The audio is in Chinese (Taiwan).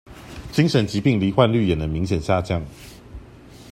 精神疾病罹患率也能明顯下降